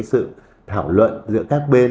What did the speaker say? sự thảo luận giữa các bên